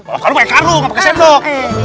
balap karu pakai karu gak pakai sendok